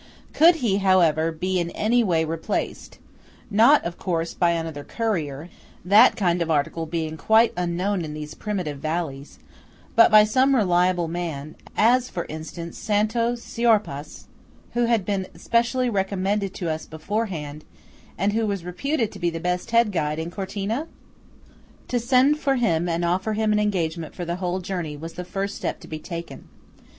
Could he, however, be in any way replaced–not, of course by another courier, that kind of article being quite unknown in these primitive valleys; but by some reliable man, as, for instance, Santo Siorpaes, who had been especially recommended to us beforehand, and who was reputed to be the best head guide in Cortina? To send for him and offer him an engagement for the whole journey was the first step to be taken.